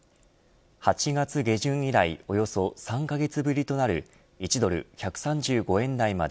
８月下旬以来およそ３カ月ぶりとなる１ドル１３５円台まで